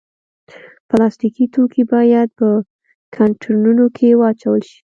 پلاستيکي توکي باید په کانټینرونو کې واچول شي.